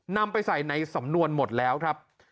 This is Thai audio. นำไปใส่ในสำนวนหมดแล้วครับ